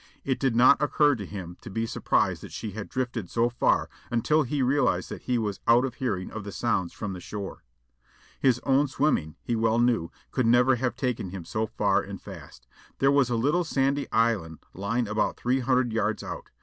It did not occur to him to be surprised that she had drifted so far until he realized that he was out of hearing of the sounds from the shore. His own swimming, he well knew, could never have taken him so far and fast. There was a little sandy island lying about three hundred yards out.